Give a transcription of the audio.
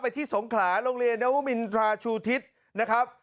ที่สงขลาโรงเรียนนวมินทราชูทิศนะครับ